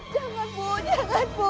jangan bu jangan bu